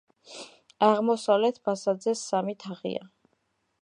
აღმოსავლეთ ფასადზე სამი თაღია.